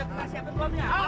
kita ledakan bomnya bos